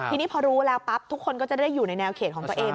ทีนี้พอรู้แล้วปั๊บทุกคนก็จะได้อยู่ในแนวเขตของตัวเอง